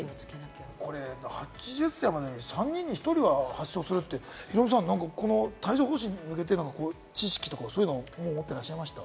８０歳まで３人に１人は発症するって、ヒロミさん、帯状疱疹に向けての知識とか、持ってらっしゃいましたか？